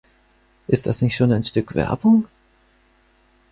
Ist das nicht schon ein Stück Werbung?